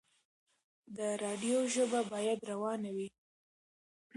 د راډيو ژبه بايد روانه وي.